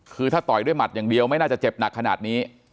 คือถ้าต่อยด้วยหมัดอย่างเดียวไม่น่าจะเจ็บหนักขนาดนี้